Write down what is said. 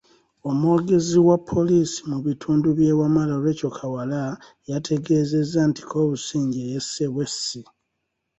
Omwogezi wa poliisi mu bitundu by’e Wamala Recheal Kawala, yategeezezza nti Kobusingye yesse bwessi.